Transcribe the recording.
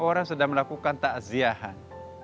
orang sedang melakukan takziahan